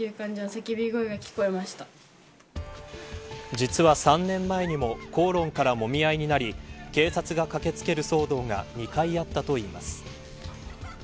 実は３年前にも口論からもみ合いになり警察が駆け付ける騒動が２回あったといいます。